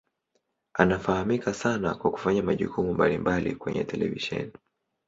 Anafahamika sana kwa kufanya majukumu mbalimbali kwenye televisheni.